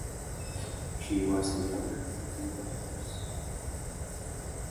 She was the younger of two daughters.